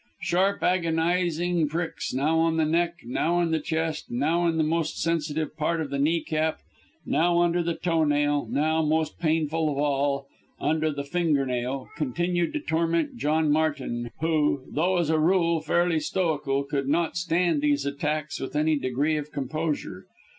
Sharp, agonizing pricks, now on the neck now in the chest, now in the most sensitive part of the knee cap, now under the toe nail, now most painful of all under the finger nail continued to torment John Martin, who, though as a rule fairly stoical, could not stand these attacks with any degree of composure.